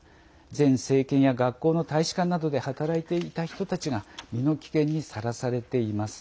前政権や外国の大使館などで働いていた人たちが身の危険にさらされています。